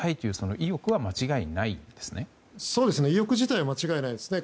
意欲自体は間違いないですね。